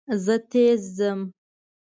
زه تېز ځم.